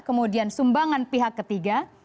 kemudian sumbangan pihak ketiga